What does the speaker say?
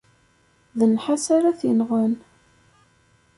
D nnḥas ara t-inɣen.